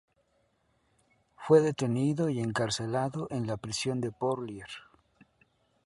Fue detenido y encarcelado en la prisión de Porlier.